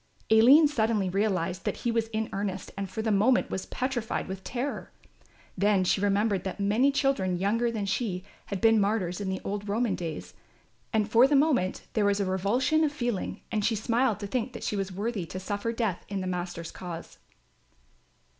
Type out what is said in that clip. Aline suddenly realised that he was in earnest and for the moment was petrified with terror. Then she remembered that many children younger than she had been martyrs in the old Roman days, and for the moment there was a revulsion of feeling and she smiled to think that she was worthy to suffer death in the Master's cause.